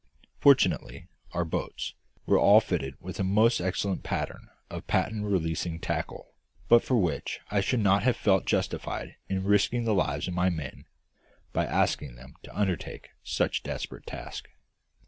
Fortunately, our boats were all fitted with a most excellent pattern of patent releasing tackle, but for which I should not have felt justified in risking the lives of my men by asking them to undertake such a desperate task.